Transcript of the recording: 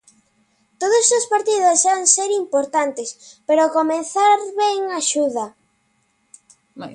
Todos os partidos han ser importantes, pero comezar ben axuda.